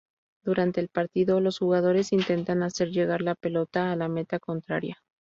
Durante el partido, los jugadores intentan hacer llegar la pelota a la meta contraria.